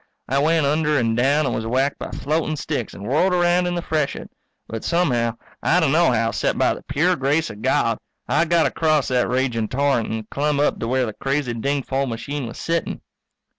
I went under and down, and was whacked by floating sticks and whirled around in the freshet. But somehow, I d'no how except by the pure grace of God, I got across that raging torrent and clumb up to where the crazy dingfol machine was sitting.